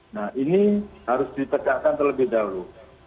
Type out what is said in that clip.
nah ini harus ditegakkan terlebih dahulu